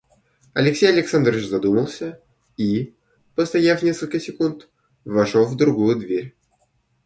Алексей Александрович задумался и, постояв несколько секунд, вошел в другую дверь.